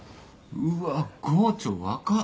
うわっ郷長若っ！